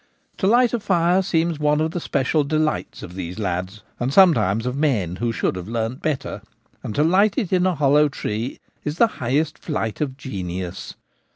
To light a fire seems one of the special delights of these lads, and sometimes of men who should have learned better ; and to light it in a hollow tree is the highest flight of genius.